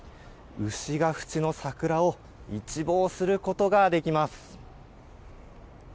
牛ヶ淵の桜を一望することができます。